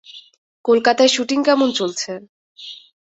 কলকাতায় শুটিং কেমন চলছে?